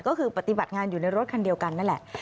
ก็คือปฏิบัติงานอยู่ในรถคันเดียวกันนั่นแหละ